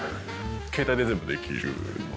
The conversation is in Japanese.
携帯で全部できるので。